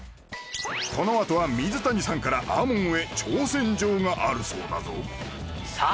このあとは水谷さんからＡＭＯＮへ挑戦状があるそうだぞさあ